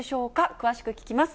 詳しく聞きます。